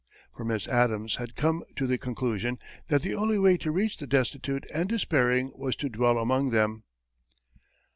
For Miss Addams had come to the conclusion that the only way to reach the destitute and despairing was to dwell among them.